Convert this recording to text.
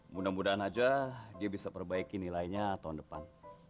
mudah mudahan aja dia bisa perbaiki nilainya tahun depan